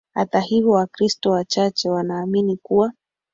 Hata hivyo Wakristo wachache wanaamini kuwa